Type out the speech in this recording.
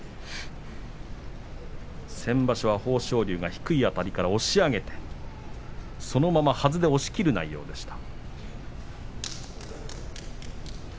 先場所は豊昇龍が低いあたりから押し上げて、そのままはずで押しきる内容でした。